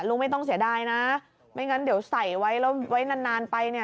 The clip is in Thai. ไม่ต้องเสียดายนะไม่งั้นเดี๋ยวใส่ไว้แล้วไว้นานนานไปเนี่ย